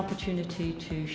và tổ chức